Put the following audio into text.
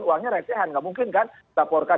uangnya resehan nggak mungkin kan laporkan